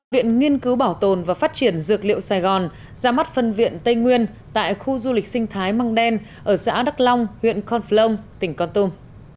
viện nghiên cứu bảo tồn và phát triển dược liệu sài gòn ra mắt phân viện tây nguyên tại khu du lịch sinh thái măng đen ở xã đắk long huyện con phlong tỉnh con tum